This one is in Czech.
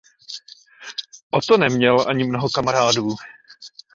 Otto neměl ani mnoho kamarádů.